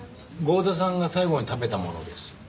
郷田さんが最後に食べたものです。